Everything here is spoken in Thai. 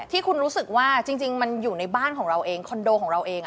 ที่คุณรู้สึกว่าจริงมันอยู่ในบ้านของเราเองคอนโดของเราเอง